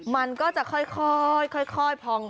มันก็จะค่อยพอง